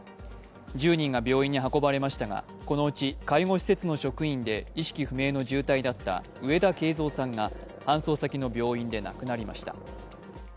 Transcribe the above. １０人が病院に運ばれましたがこのうち介護施設の職員で意識不明の重体だった上田敬三さんが搬送先の病院で亡くなりました。